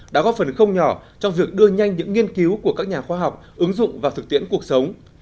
đã góp phần không nhỏ trong việc đưa nhanh những nghiên cứu của các nhà khoa học ứng dụng vào thực tiễn cuộc sống